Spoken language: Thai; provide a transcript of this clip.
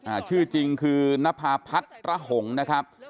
อ่าชื่อจริงคือนภาพัฒน์ระหงนะครับ